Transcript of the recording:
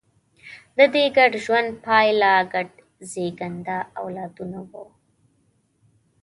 د دې ګډ ژوند پایله ګډ زېږنده اولادونه وو.